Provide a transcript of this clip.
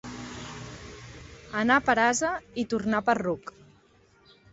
Anar per ase i tornar per ruc.